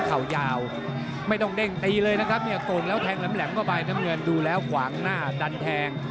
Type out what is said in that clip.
โกงแล้วแพงแหลมแหลมเข้าไปน้ำเงินดูแล้วขวางหน้าดันแทง